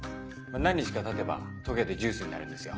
何日かたてば溶けてジュースになるんですよ。